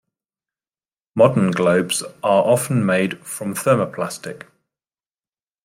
Modern globes are often made from thermoplastic.